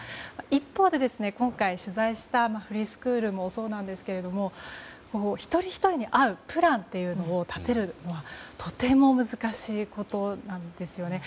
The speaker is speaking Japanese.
一方で今回取材したフリースクールもそうなんですけど一人ひとりに合うプランというのを立てるのはとても難しいことなんですよね。